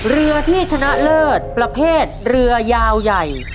เรือที่ชนะเลิศประเภทเรือยาวใหญ่